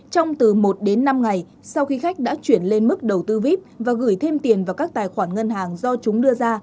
trong từ một đến năm ngày sau khi khách đã chuyển lên mức đầu tư vip và gửi thêm tiền vào các tài khoản ngân hàng do chúng đưa ra